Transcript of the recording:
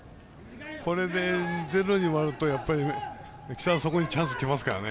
これで０に終わると木更津総合チャンスがきますからね。